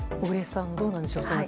小栗さん、どうなんでしょう。